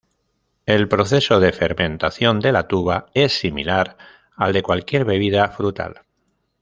El proceso de fermentación de la tuba es similar al de cualquier bebida frutal.